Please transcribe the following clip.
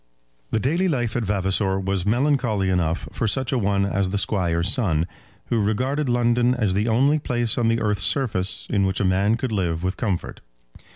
The daily life at Vavasor was melancholy enough for such a one as the Squire's son, who regarded London as the only place on the earth's surface in which a man could live with comfort.